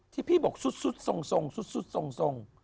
ที่พี่บอกซุดทรงซุดทรง